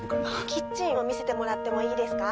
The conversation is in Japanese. キッチンを見せてもらってもいいですか？